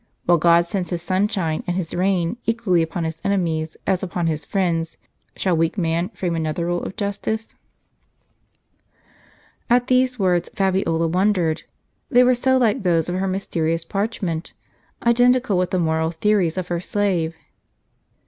While God sends His sunshine and His rain equally upon His enemies, as upon His friends, shall weak man frame another rule of justice? " At these words Fabiola wondered; they were so like those of her mysterious parchment, identical with the moral theories of her slave.